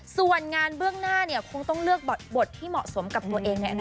ส่วนงานเบื้องหน้าคงต้องเลือกบทที่เหมาะสมกับตัวเอง